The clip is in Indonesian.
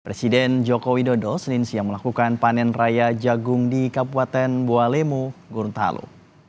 presiden jokowi dodo senin siang melakukan panen raya jagung di kabupaten bua lemo gorontalo